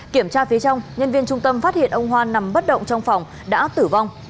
kiểm tra phía trong nhân viên trung tâm phát hiện ông hoan nằm bất động trong phòng đã tử vong